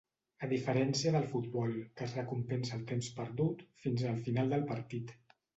A diferència del futbol, que es recompensa el temps perdut fins al final del partit.